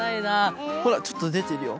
ほらちょっとでてるよ。